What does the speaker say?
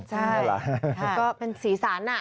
ใช่ก็เป็นศีรษะน่ะ